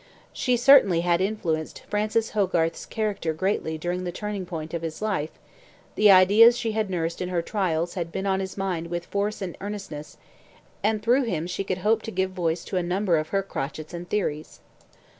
She certainly had influenced Francis Hogarth's character greatly during the turning point of his life; the ideas she had nursed in her trials had been on his mind with force and earnestness, and through him she could hope to give a voice to a number of her crotchets and theories.